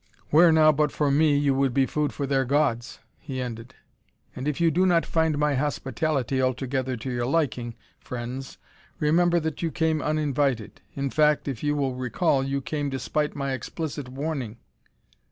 "Where now, but for me, you would be food for their gods!" he ended. "And if you do not find my hospitality altogether to your liking, friends, remember that you came uninvited. In fact, if you will recall, you came despite my explicit warning!"